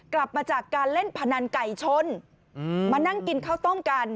กลับมาจากการเล่นพนันไก่ชนมานั่งกินข้าวต้มกัน